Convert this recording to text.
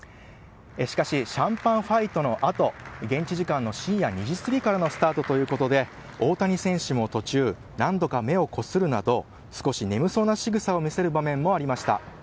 しかしシャンパンファイトのあと現地時間の深夜２時過ぎからのスタートということで大谷選手も途中何度か目をこするなど少し眠そうなしぐさを見せる場面もありました。